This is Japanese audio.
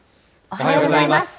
おはようございます。